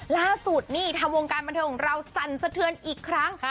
ล่าสุดนี่ทำวงการบันเทิงของเราสั่นสะเทือนอีกครั้ง